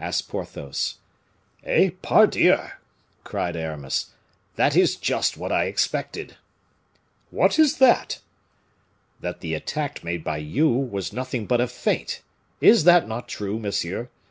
asked Porthos. "Eh! Pardieu!" cried Aramis; "that is just what I expected." "What is that?" "That the attack made by you was nothing but a feint; is not that true, monsieur?